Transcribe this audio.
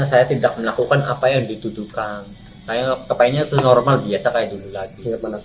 saya tidak melakukan apa yang dituduhkan saya kepengennya itu normal biasa kayak dulu lagi